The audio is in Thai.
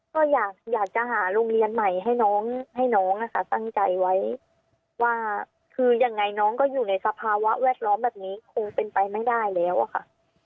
ก็อยากจะหาโรงเรียนใหม่ให้น้องให้น้องนะคะตั้งใจไว้ว่าคือยังไงน้องก็อยู่ในสภาวะแวดล้อมแบบนี้คงเป็นไปไม่ได้แล้วอะค่ะ